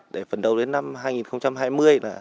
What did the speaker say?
để phần đầu đến năm hai nghìn hai mươi